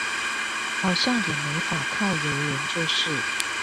好像也沒法靠郵輪就是